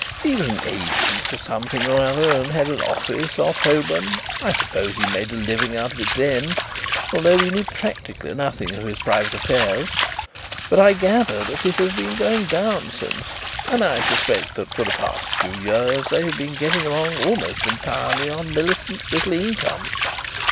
He was an agent for something or other and had an office off Holborn. I suppose he made a living out of it then, although we knew practically nothing of his private affairs, but I gather that it has been going down since, and I suspect that for the past few years they have been getting along almost entirely on Millicent's little income.